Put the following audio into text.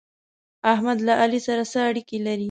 احمد له علي سره څه اړېکې لري؟